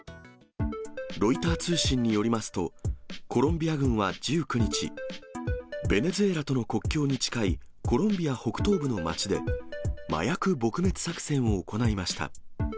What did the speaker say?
ロイター通信によりますと、コロンビア軍は１９日、ベネズエラとの国境に近いコロンビア北東部の町で、麻薬撲滅作戦を行いました。